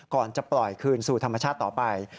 ก่อนจะปล่อยคืนสู่ธรรมชาติต่อไป